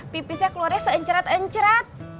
pipisnya keluarnya seenceret enceret